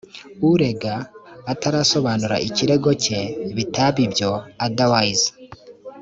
urega atarasobanura ikirego cye bitaba ibyo otherwise